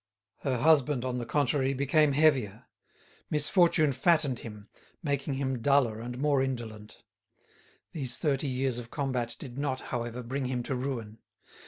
Her husband, on the contrary, became heavier; misfortune fattened him, making him duller and more indolent. These thirty years of combat did not, however, bring him to ruin.